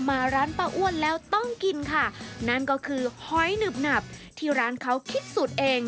มาร้านป้าอ้วนแล้วต้องกินค่ะนั่นก็คือหอยหนึบหนับที่ร้านเขาคิดสูตรเอง